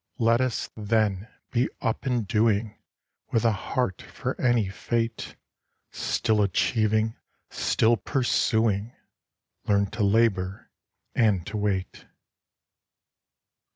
Let us, then, be up and doing, With a heart for any fate ; Still achieving, still pursuing, Learn to labor and to wait.